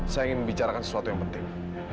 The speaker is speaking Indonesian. saya ingin membicarakan sesuatu yang penting